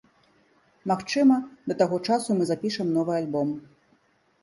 Магчыма, да таго часу мы запішам новы альбом.